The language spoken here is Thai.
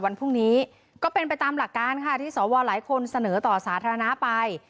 วันพรุ่งนี้ก็เป็นไปตามหลักการค่ะที่สวหลายคนเสนอต่อสาธารณะไป